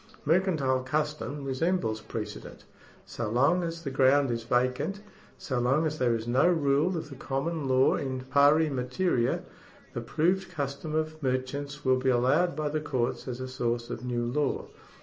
Mercantile custom resembles precedent. So long as the ground is vacant — so long as there is no rule of the common law in pari materia — the proved custom of merchants will be allowed by the courts as a source of new law.